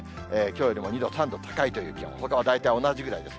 きょうよりも２度３度高いという気温、ほかは大体同じくらいです。